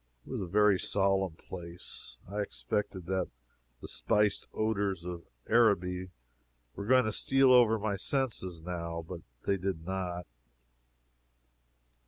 It was a very solemn place. I expected that the spiced odors of Araby were going to steal over my senses now, but they did not.